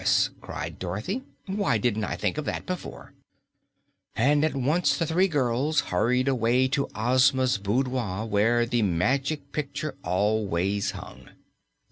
cried Dorothy. "Why didn't I think of that before?" And at once the three girls hurried away to Ozma's boudoir, where the Magic Picture always hung.